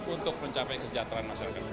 untuk mencapai kesejahteraan masyarakat